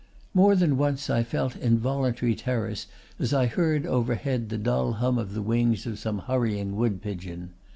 "More than once I felt involuntary terrors as I heard overhead the dull hum of the wings of some hurrying wood pigeon.